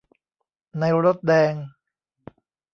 ในรถแดง